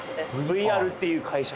ＶＲっていう会社？